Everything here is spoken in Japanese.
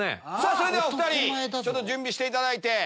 それではお２人準備していただいて。